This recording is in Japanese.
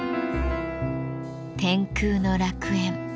天空の楽園。